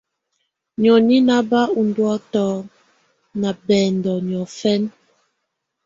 Nìóni nɛ́ ná bá úndúǝ́tɔ̀ ná bɛndɔ niɔ̀fɛna.